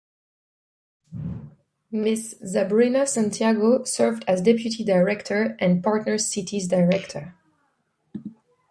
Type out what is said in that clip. Ms. Zabrina Santiago served as Deputy Director and Partner Cities Director.